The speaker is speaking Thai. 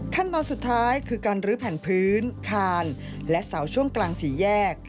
ขั้นตอนสุดท้ายคือการลื้อแผ่นพื้นคานและเสาช่วงกลางสี่แยก